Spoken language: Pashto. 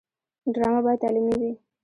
ډرامه باید تعلیمي وي